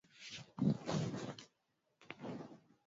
iliza rfi kiswahili